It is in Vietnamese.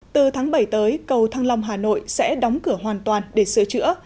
từ tháng bảy tới cầu thăng long hà nội sẽ đóng cửa hoàn toàn để sửa chữa